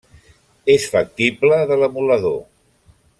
És factible de, l'emulador.